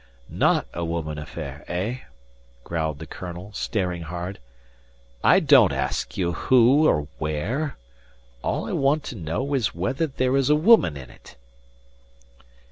"Not a woman affair eh?" growled the colonel, staring hard. "I don't ask you who or where. All I want to know is whether there is a woman in it?"